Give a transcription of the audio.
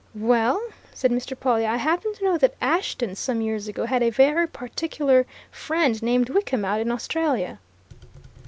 "Well," said Mr. Pawle, "I happen to know that Ashton, some years ago, had a very particular friend named Wickham, out in Australia."